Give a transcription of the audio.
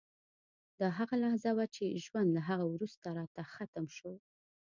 دا هغه لحظه وه چې ژوند له هغه وروسته راته ختم شو